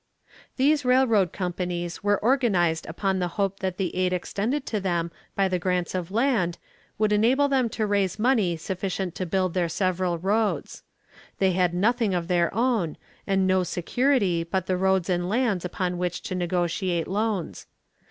These railroad companies were organized upon the hope that the aid extended to them by the grants of land would enable them to raise money sufficient to build their several roads. They had nothing of their own, and no security but the roads and lands upon which to negotiate loans.